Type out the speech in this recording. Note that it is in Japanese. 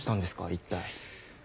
一体。